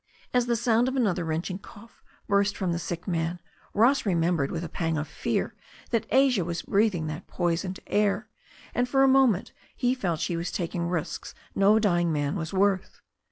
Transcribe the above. As the sound of another wrenching cough burst from the sick man, Ross remembered with a pang of fear that Asia was breathing that poisoned air, and for a moment he felt she was taking risks no dying man was worth.